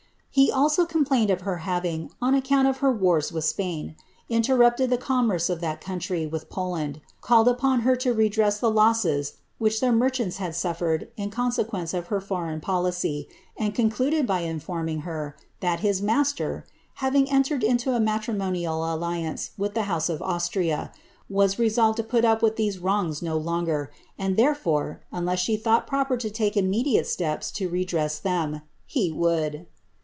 He also complained of her having, on account bar wars with Spain, interrupted the commerce of that country with land, called upon her to redress the losses which their merchants had fered in consequence of her foreign policy, and concluded by inform her, that his master, having entered into a matrimonial alliance with house of Austria, was resolved to put up with these wrongs no gcr; and, therefore, unless she thought proper to take immediate pa to redress them, he would."